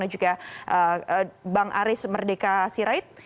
dan juga bang aris merdeka sirait